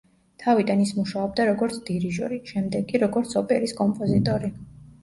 თავიდან ის მუშაობდა როგორც დირიჟორი, შემდეგ კი როგორც ოპერის კომპოზიტორი.